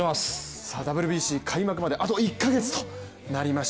ＷＢＣ開幕まであと１か月となりました。